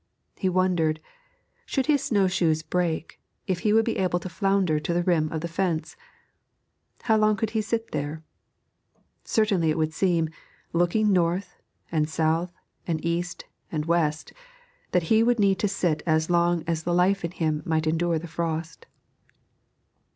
He wondered, should his snow shoes break, if he would be able to flounder to the rim of the fence? How long could he sit there? Certainly it would seem, looking north and south and east and west, that he would need to sit as long as the life in him might endure the frost.